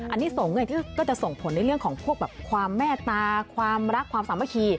อันนี้ส่งไงก็จะส่งผลในเรื่องของพวกแบบความแม่ตาความรักความสามัคคี